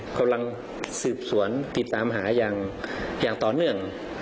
กำลังสืบสวนติดตามหาอย่างต่อเนื่อง